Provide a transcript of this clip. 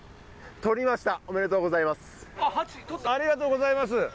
ありがとうございます。